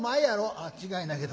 「ああ違いないけど。